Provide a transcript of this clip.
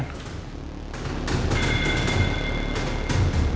bantuan apa ren